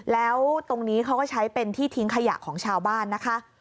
แล้วตรงนี้เขาก็ใช้เป็นที่ทิ้งขยะของชาวบ้านนะคะ